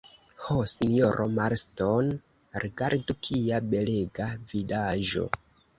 Ho, sinjoro Marston, rigardu, kia belega vidaĵo!